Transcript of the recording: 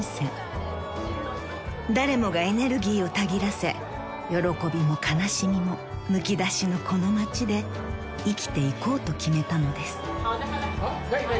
［誰もがエネルギーをたぎらせ喜びも悲しみもむき出しのこの町で生きていこうと決めたのです］